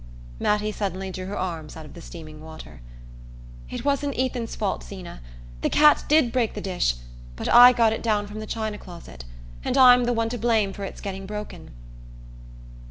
Mattie suddenly drew her arms out of the steaming water. "It wasn't Ethan's fault, Zeena! The cat did break the dish; but I got it down from the china closet, and I'm the one to blame for its getting broken."